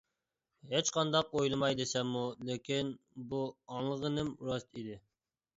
ھېچقانداق ئويلىماي دېسەممۇ لېكىن بۇ ئاڭلىغىنىم راست ئىدى.